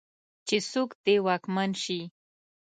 چې څوک دې واکمن شي.